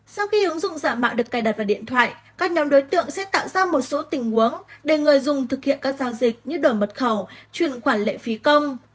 sau khi ứng dụng giả mạo được cài đặt vào điện thoại các nhóm đối tượng sẽ tạo ra một số tình huống để người dùng thực hiện các giao dịch như đổi mật khẩu chuyển khoản lệ phí công